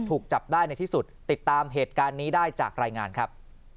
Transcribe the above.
ถูกจับได้ในที่สุดติดตามเหตุการณ์นี้ได้จากรายงานครับ